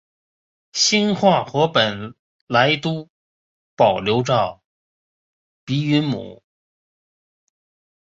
兴化话本来都保留着的鼻韵母。